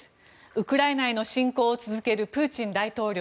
ウクライナへの侵攻を続けるプーチン大統領。